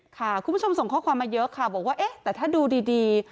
คุณผู้ชมส่งข้อความมาเยอะค่ะบอกว่าเอ๊ะแต่ถ้าดูดี